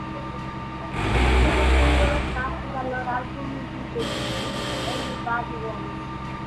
È il primo singolo tratto dal loro album di debutto "Everybody Wants".